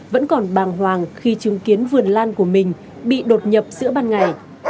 vẫn còn bàng hoàng khi chứng kiến vườn lan của mình bị đột nhập giữa ban ngày